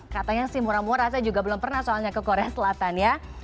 katanya sih murah murah saya juga belum pernah soalnya ke korea selatan ya